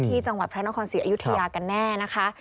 ที่จังหวัดพระนครศรีอยุธยากันแน่นะคะ